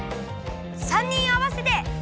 ３にんあわせて。